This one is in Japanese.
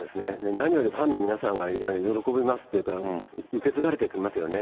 何よりもファンの皆さんが喜びますというか、受け継がれていきますよね。